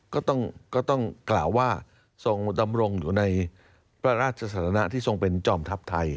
ก็ต้องกล่าวว่าทรงดำรงอยู่ในพระราชสถานะที่ทรงเป็นจอมทัพไทย